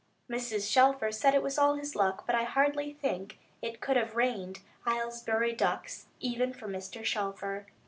Mrs. Shelfer said it was all his luck; but I hardly think it could have rained Aylesbury ducks, even for Mr. Shelfer.